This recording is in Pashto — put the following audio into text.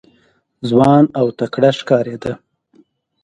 ځوان او تکړه ښکارېده.